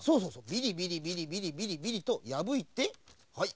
ビリビリビリビリビリビリとやぶいてはい